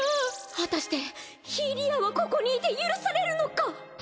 果たして非リアはここにいて許されるのか。